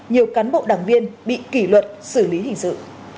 nhiều cán bộ đảng viên bị kỷ luật xử lý hình sự